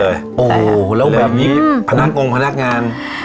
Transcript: อแล้วอะไรอย่างนี้พนักองค์พนักงาน